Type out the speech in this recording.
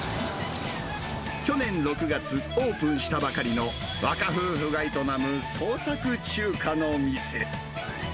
去年６月オープンしたばかりの若夫婦が営む創作中華の店。